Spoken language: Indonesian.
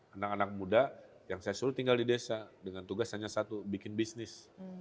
anak anak muda yang saya suruh tinggal di desa dengan tugas hanya satu bikin bisnis